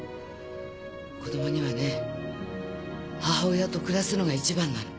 子供にはね母親と暮らすのがいちばんなの。